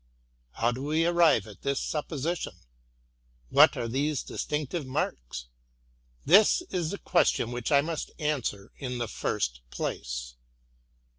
How do we arrive at this supposition? — what are these distinctive marks ? This is the question which I must answer in the first place.